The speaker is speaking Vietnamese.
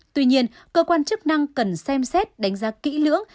tuy nhiên cơ quan chức năng cần xem xét đánh giá kỹ lưỡng